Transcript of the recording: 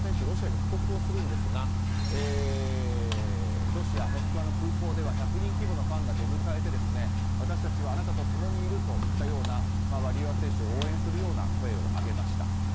ロシアに帰国するんですがロシア、モスクワの空港では１００人規模のファンが出迎えて、私たちはあなたと共にいるといったようなワリエワ選手を応援するような声を上げました。